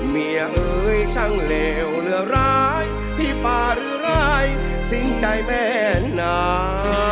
เมียเอ่ยช่างเลวเหลือร้ายพี่ป่าหรือร้ายสิ่งใจแม่หนา